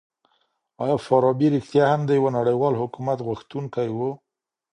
آیا فارابي رښتيا هم د يوه نړيوال حکومت غوښتونکی و؟